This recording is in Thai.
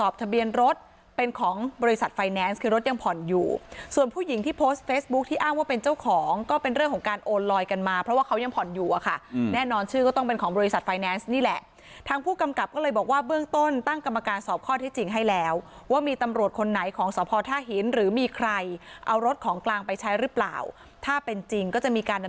พี่อ้างว่าเป็นเจ้าของก็เป็นเรื่องของการโอนลอยกันมาเพราะว่าเขายังผ่อนอยู่อะค่ะอืมแน่นอนชื่อก็ต้องเป็นของบริษัทไฟแนนซ์นี่แหละทางผู้กำกับก็เลยบอกว่าเบื้องต้นตั้งกรรมการสอบข้อที่จริงให้แล้วว่ามีตำรวจคนไหนของสอบพอท่าหินหรือมีใครเอารถของกลางไปใช้หรือเปล่าถ้าเป็นจริงก็จะมีการด